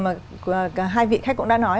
mà hai vị khách cũng đã nói